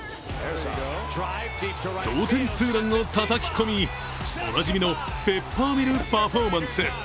同点ツーランをたたき込み、おなじみのペッパーミルパフォーマンス。